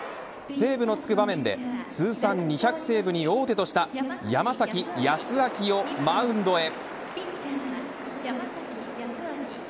セーブのつく場面で通算２００セーブに王手とした山崎康晃をマウンドへ。